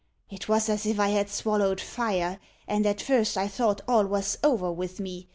It was as if I had swallowed fire, and at first I thought all was over with me.